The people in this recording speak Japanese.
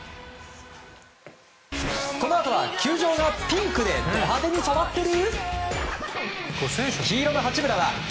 このあとは、球場がピンクでド派手に染まってる？